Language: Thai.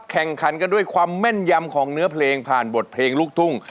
แข่งขันกันด้วยความแม่นยำของเนื้อเพลงผ่านบทเพลงลูกทุ่ง